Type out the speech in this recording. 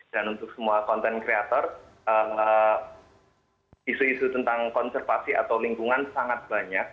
dan untuk semua konten kreator isu isu tentang konservasi atau lingkungan sangat banyak